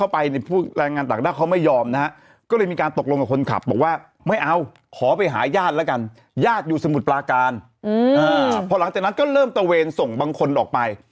ไปสมุดปลาการพอหลังจากนั้นก็เริ่มตะเวนส่งบางคนออกไป